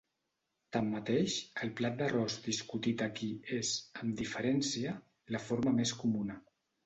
Tanmateix, el plat d'arròs discutit aquí és, amb diferència, la forma més comuna.